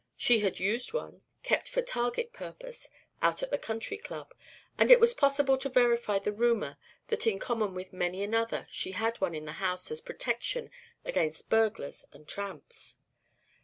She had used one, kept for target purpose, out at the Country Club, and it was impossible to verify the rumor that in common with many another, she had one in the house as a protection against burglars and tramps.